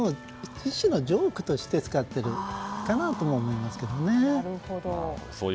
一種のジョークとして使っているのかと思いますけどね。